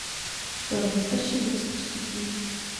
Byl nejstarší ze čtyř dětí.